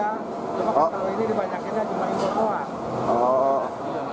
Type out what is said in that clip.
cuma kalau ini dibanyakinnya cuma yang berkuas